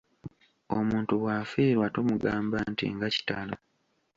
Omuntu bw'afiirwa tumugamba nti nga kitalo!